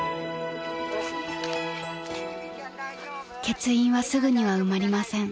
［欠員はすぐには埋まりません］